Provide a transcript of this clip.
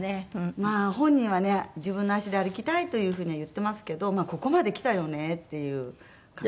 まあ本人はね「自分の足で歩きたい」という風には言ってますけどここまできたよねっていう感じ。